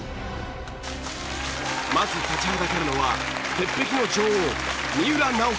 まず立ちはだかるのは鉄壁の女王三浦奈保子。